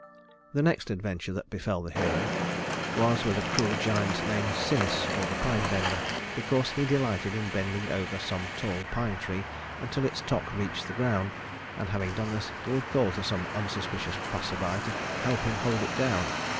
The next adventure that befell the hero was with a cruel giant called Sinis, or the Pine Bender, because he delighted in bending over some tall pine tree until its top reached the ground; and having done this, he would call to some unsuspicious passer by to help him hold it down.